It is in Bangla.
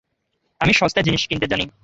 আমি সস্তায় জিনিস কিনতে জানি।